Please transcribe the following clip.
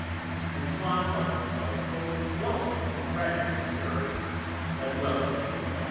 And Swann felt himself overflowing with gratitude to her, as well as to Mme.